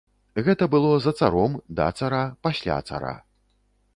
Гэта было за царом, да цара, пасля цара.